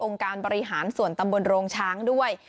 องค์การบริหารสวนตำบลโรงช์ด้วย